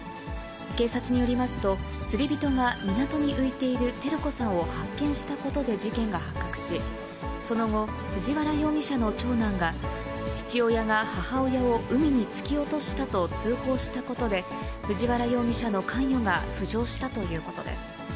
警察によりますと、釣り人が港に浮いている照子さんを発見したことで事件が発覚し、その後、藤原容疑者の長男が、父親が母親を海に突き落としたと通報したことで、藤原容疑者の関与が浮上したということです。